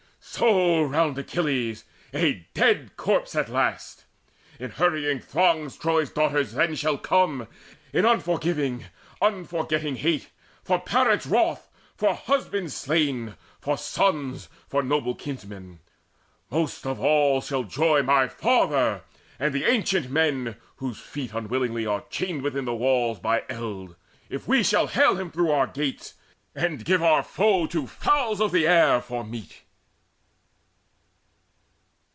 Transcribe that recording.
So round Achilles a dead corpse at last! In hurrying throngs Troy's daughters then shall come In unforgiving, unforgetting hate, For parents wroth, for husbands slain, for sons, For noble kinsmen. Most of all shall joy My father, and the ancient men, whose feet Unwillingly are chained within the walls By eld, if we shall hale him through our gates, And give our foe to fowls of the air for meat."